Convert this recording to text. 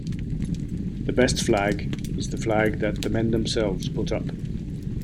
The best flag is the flag that the men themselves put up.